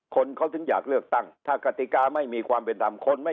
คนเขาถึงอยากเลือกตั้งถ้ากติกาไม่มีความเป็นธรรมคนไม่